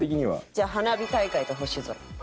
じゃあ「花火大会」と「星空」。